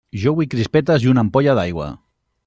Jo vull crispetes i una ampolla d'aigua!